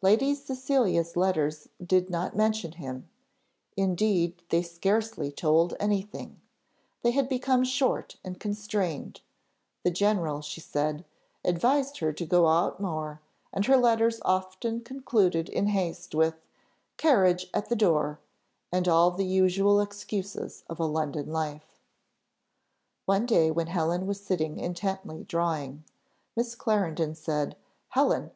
Lady Cecilia's letters did not mention him, indeed they scarcely told anything; they had become short and constrained: the general, she said, advised her to go out more, and her letters often concluded in haste, with "Carriage at the door," and all the usual excuses of a London life. One day when Helen was sitting intently drawing, Miss Clarendon said "Helen!"